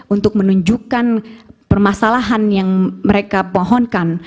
untuk menunjukkan permasalahan yang mereka pohonkan